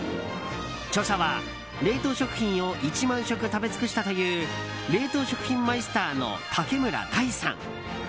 著者は冷凍食品を１万食食べつくしたという冷凍食品マイスターのタケムラダイさん。